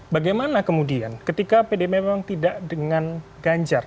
bagaimana kemudian ketika pdip memang tidak dengan ganjar